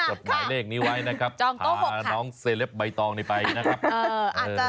จดหมายเลขนี้ไว้นะครับพาน้องเซเลปใบตองนี่ไปนะครับเออเออ